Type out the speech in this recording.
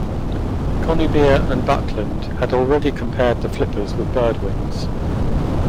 Conybeare and Buckland had already compared the flippers with bird wings.